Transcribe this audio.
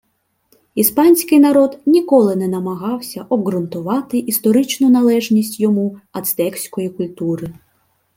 Іспанський народ ніколи не намагався обҐрунтувати історичну належність йому ацтекської культури